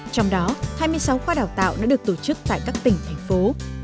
trong đó hai mươi sáu khoa đào tạo đã được tổ chức tại các tỉnh thành phố